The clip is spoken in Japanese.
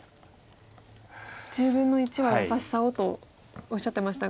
１０分の１は優しさをとおっしゃってましたが。